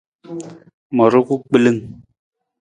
Ma ruku gbilung.